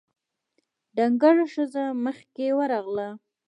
ډنګره ښځه مخکې ورغله: